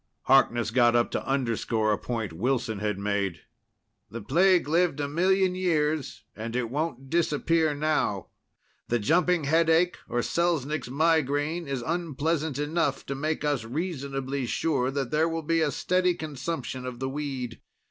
Harkness got up to underscore a point Wilson had made. "The plague lived a million years, and it won't disappear now. The jumping headache, or Selznick's migraine, is unpleasant enough to make us reasonably sure that there will be a steady consumption of the weed.